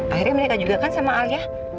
akhirnya menikah juga kan sama alia